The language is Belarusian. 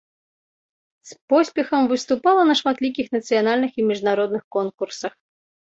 З поспехам выступала на шматлікіх нацыянальных і міжнародных конкурсах.